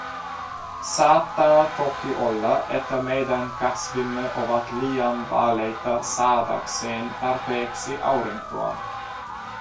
Saattaa toki olla, että meidän kasvimme ovat liian vaaleita saadakseen tarpeeksi aurinkoa.